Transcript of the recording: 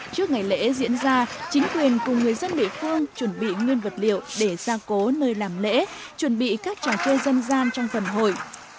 trước ngày lễ diễn ra chính quyền cùng người dân địa phương chuẩn bị nguyên vật liệu để gia cố nơi làm lễ chuẩn bị các trò chơi dân gian trong phần hội